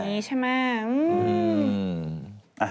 ให้กดโดนก็อะไรแบบนี้ใช่ไม่